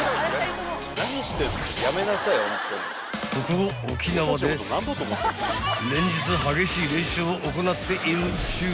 ［ここ沖縄で連日激しい練習を行っているっちゅう］